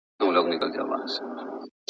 څه وخت خصوصي سکتور مایع ګاز هیواد ته راوړي؟